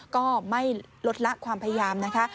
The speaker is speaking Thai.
ก็ไม่ลดละความพยายามนะคะ